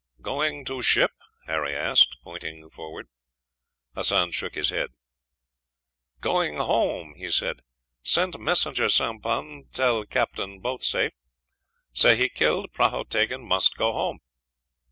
"Going to ship?" Harry asked, pointing forward. Hassan shook his head. "Going home," he said. "Sent messenger sampan tell captain both safe. Sehi killed, prahu taken. Must go home.